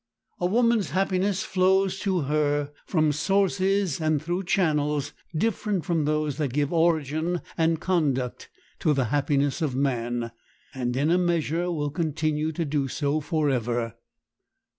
A woman's happiness flows to her from sources and through channels different from those that give origin and conduct to the happiness of man, and in a measure will continue to do so forever.